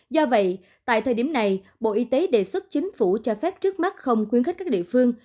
do vậy tại thời điểm này bộ y tế đề xuất chính phủ cho phép trước mắt không khuyến khích các địa phương